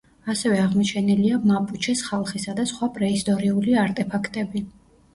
ასევე აღმოჩენილია მაპუჩეს ხალხისა და სხვა პრეისტორიული არტეფაქტები.